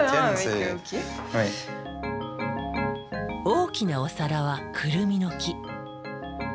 大きなお皿はクルミの木。